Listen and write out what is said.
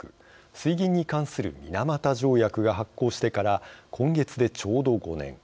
水銀に関する水俣条約が発効してから今月で、ちょうど５年。